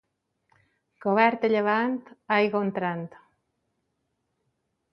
Cobert a llevant, aigua entrant.